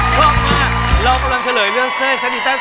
ถูกมากเรากำลังเฉลยเรื่องเซอร์ไอซักนิวตัน